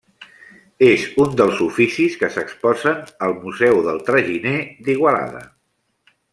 És un dels oficis que s'exposen al Museu del Traginer d'Igualada.